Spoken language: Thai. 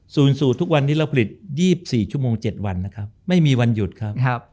สูตรทุกวันนี้เราผลิต๒๔ชั่วโมง๗วันนะครับไม่มีวันหยุดครับ